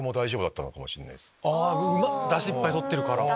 ダシいっぱい取ってるから。